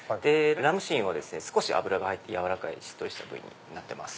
ラムシンは少し脂が入って軟らかいしっとりした部位です。